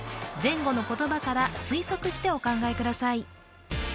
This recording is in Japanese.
前後の言葉から推測してお考えください